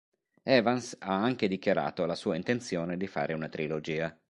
Evans ha anche dichiarato la sua intenzione di fare una trilogia.